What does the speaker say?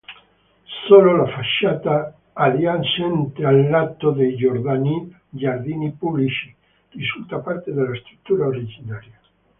Solo la facciata adiacente al lato dei giardini pubblici risulta parte della struttura originaria.